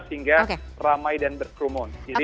sehingga ramai dan berkrumun